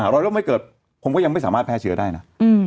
รอยร่มไม่เกิดผมก็ยังไม่สามารถแพร่เชื้อได้นะ